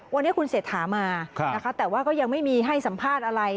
วันนี้คุณเศรษฐามานะคะแต่ว่าก็ยังไม่มีให้สัมภาษณ์อะไร